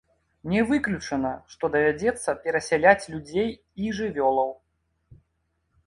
Не выключана, што давядзецца перасяляць людзей і жывёлаў.